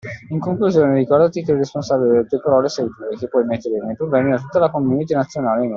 In conclusione ricordati che il responsabile delle tue parole sei tu e che puoi mettere nei problemi tutta la community nazionale e non.